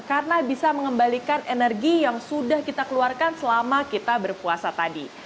karena bisa mengembalikan energi yang sudah kita keluarkan selama kita berpuasa tadi